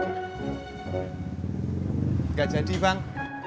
gak jadi bang